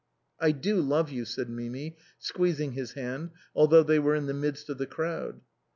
" I do love you," said Mimi, squeezing his hand, al though they were in the midst of the crowd.